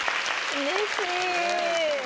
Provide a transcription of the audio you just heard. うれしい！